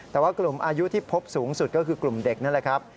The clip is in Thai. แต่ว่ากลุ่มอายุที่พบสูงสุดก็คือกลุ่มเด็กนั่นแหละครับ